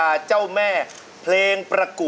สวัสดีครับ